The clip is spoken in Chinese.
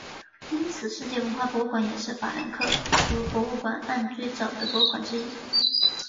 因此世界文化博物馆也是法兰克福博物馆岸最早的博物馆之一。